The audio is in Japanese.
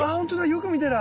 よく見たら。